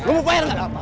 lo mau bayar gak